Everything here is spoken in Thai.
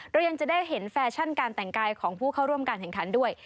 เรายังจะได้เห็นแฟชั่นการแต่งกายของผู้เข้าร่วมการแข่งขันด้วย